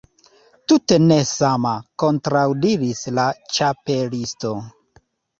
"Tute ne sama," kontraŭdiris la Ĉapelisto.